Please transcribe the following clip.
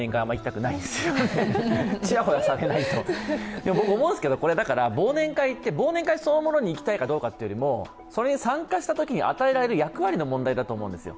でも思うんですけれども忘年会そのものに行きたいかどうかっていうよりもそれに参加したときに与えられる役割の問題だと思うんですよ。